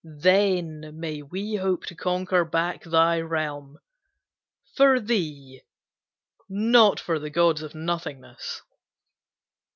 Then may we hope to conquer back thy realm For thee, not for the gods of nothingness."